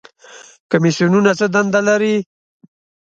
کمیسیونونه څه دنده لري؟